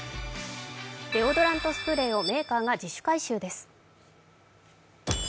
デオドラントスプレーをメーカーが自主回収です。